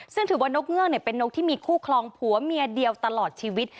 ซึ่งถือว่านกเงือกเป็นนกที่มีคู่คลองผัวเมียเดียวตลอดชีวิต